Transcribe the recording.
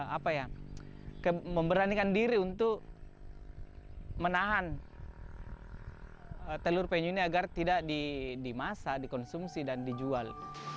apa ya memberanikan diri untuk menahan telur penyu ini agar tidak dimasak dikonsumsi dan dijual